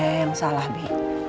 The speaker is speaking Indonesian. saya yang salah bi